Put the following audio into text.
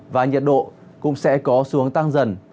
và nhiệt độ cũng sẽ có xu hướng tăng dần